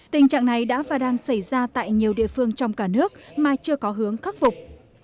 tình trạng này đã và đang xảy ra tại nhiều địa phương trong cả nước mà chưa có hướng khắc phục